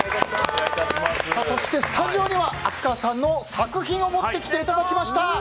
そして、スタジオには秋川さんの作品を持ってきていただきました。